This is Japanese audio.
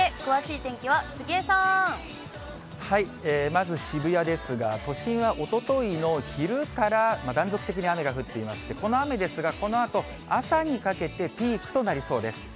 まず渋谷ですが、都心はおとといの昼から、断続的に雨が降っていまして、この雨ですが、このあと朝にかけて、ピークとなりそうです。